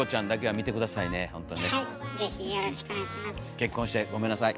結婚してごめんなさい。